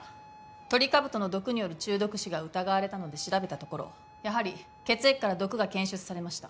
トリカブトの毒による中毒死が疑われたので調べたところやはり血液から毒が検出されました。